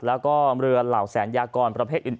แล้วก็เรือเหล่าแสนยากรประเภทอื่น